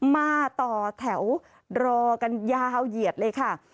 มาต่อแถวรอกันยาวเหยียดเลยค่ะ